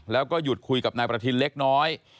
แล้วก็หยุดคุยกับนายประทินเล็กน้อย